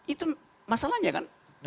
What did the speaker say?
itu masalahnya kan